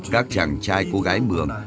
các chàng trai cô gái mường